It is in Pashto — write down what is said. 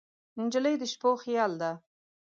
نجلۍ د شپو خیال ده.